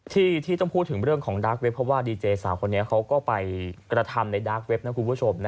ที่ต้องพูดถึงเรื่องของดาร์กเว็บเพราะว่าดีเจสาวคนนี้เขาก็ไปกระทำในดาร์กเว็บนะคุณผู้ชม